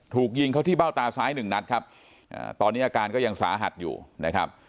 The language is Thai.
ถูกยิงเข้าที่เบ้าตาซ้ายหนึ่งนัดครับตอนนี้อาการก็ยังสาหัสอยู่นะครับ